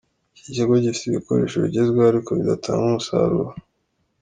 Iki kigo gifite ibikoresho bigezweho ariko bidatanga umusaruro.